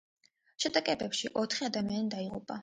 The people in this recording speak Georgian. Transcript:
შეტაკებებში ოთხი ადამიანი დაიღუპა.